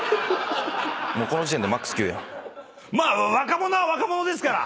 まあ若者は若者ですから。